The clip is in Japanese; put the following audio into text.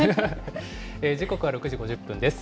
時刻は６時５０分です。